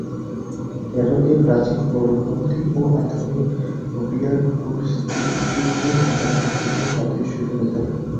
Carroll এই প্রাচীন পরিপন্থী এবং আধুনিক নুবিয়ার কুস্তিগিরদের মধ্যে আকর্ষণীয় সাদৃশ্য তুলে ধরেন।